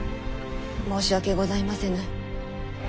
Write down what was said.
申し訳ございませぬ。